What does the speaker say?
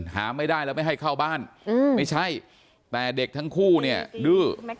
หาไม่ได้แล้วไม่ให้เข้าบ้านไม่ใช่แต่เด็กทั้งคู่เนี่ยดื้อ